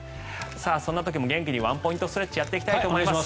そんなときも元気にワンポイントストレッチをやっていきたいと思います。